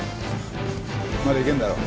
まだいけるだろ。